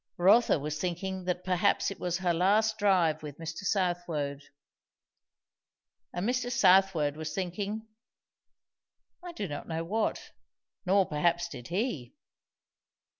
Rotha was thinking that perhaps it was her last drive with Mr. Southwode; and Mr. Southwode was thinking, I do not know what; nor perhaps did he.